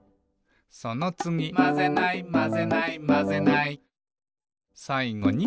「そのつぎ」「『まぜない』『まぜない』『まぜない』」「さいごに」